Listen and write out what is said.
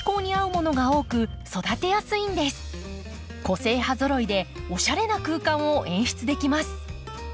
個性派ぞろいでおしゃれな空間を演出できます。